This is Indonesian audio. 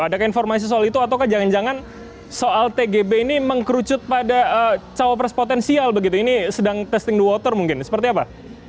adakah informasi soal itu ataukah jangan jangan soal tgb ini mengkerucut pada cawapres potensial begitu ini sedang testing the water mungkin seperti apa